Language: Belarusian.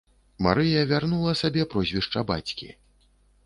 Марыя вярнула сабе прозвішча бацькі.